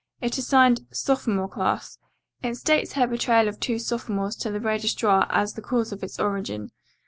It is signed 'Sophomore Class.' It states her betrayal of two sophomores to the registrar as the cause of its origin.